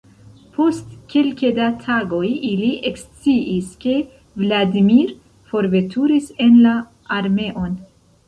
Post kelke da tagoj ili eksciis, ke Vladimir forveturis en la armeon.